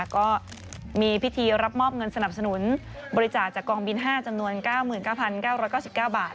ก็มีพิธีรับมอบเงินสนับสนุนบริจาคจากกองบิน๕จำนวน๙๙๙๙๙๙๙บาท